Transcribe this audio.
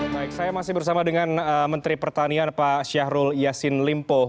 baik saya masih bersama dengan menteri pertanian pak syahrul yassin limpo